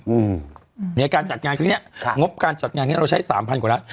อืมในการจัดงานครั้งเนี้ยครับงบการจัดงานเนี้ยเราใช้สามพันกว่าล้าน